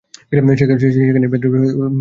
সেখানেই এই ভ্রাতৃদ্বয় জন্মগ্রহণ করেন।